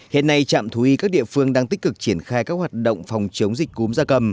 hiện nay trạm thú y các địa phương đang tích cực triển khai các hoạt động phòng chống dịch cúm gia cầm